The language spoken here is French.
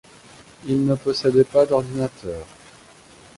Il ne possédait pas d'ordinateur.